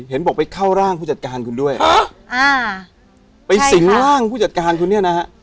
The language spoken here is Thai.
เห็นบอกไปเข้าร่างผู้จัดการคุณด้วยไปสิงร่างผู้จัดการคุณเนี่ยนะฮะ